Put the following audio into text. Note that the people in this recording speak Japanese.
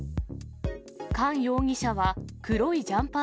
韓容疑者は、黒いジャンパー